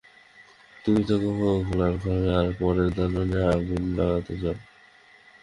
তুমি থাক হোগলার ঘরে, আর পরের দালানে আগুন লাগাতে চাও।